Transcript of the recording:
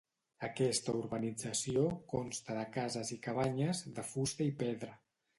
Aquesta urbanització consta de cases i cabanyes, de fusta i pedra.